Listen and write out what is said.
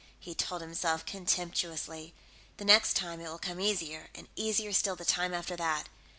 he told himself contemptuously. The next time, it will come easier, and easier still the time after that.